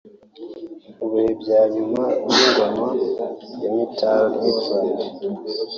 Mu bihe bya nyuma by’ingoma ya Mitterand